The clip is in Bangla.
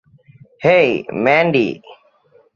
হেই, ম্যান্ডি?